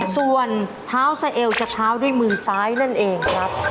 ส่วนเท้าสะเอวจะเท้าด้วยมือซ้ายนั่นเองครับ